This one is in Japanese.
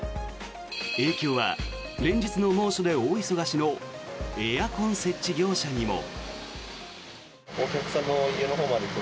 影響は、連日の猛暑で大忙しのエアコン設置業者にも。